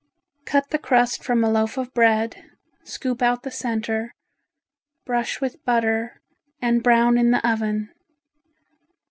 Cut the crust from a loaf of bread, scoop out the center, brush with butter and brown in the oven.